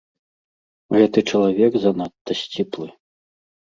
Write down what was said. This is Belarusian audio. Гэты чалавек занадта сціплы.